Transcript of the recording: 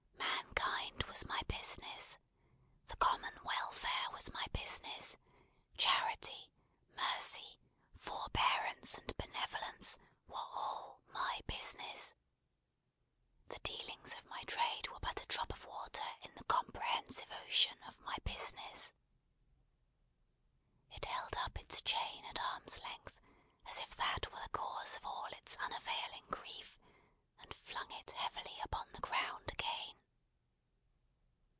"Mankind was my business. The common welfare was my business; charity, mercy, forbearance, and benevolence, were, all, my business. The dealings of my trade were but a drop of water in the comprehensive ocean of my business!" It held up its chain at arm's length, as if that were the cause of all its unavailing grief, and flung it heavily upon the ground again.